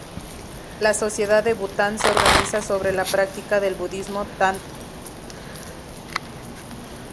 La sociedad de Bután se organiza sobre la práctica del budismo tántrico.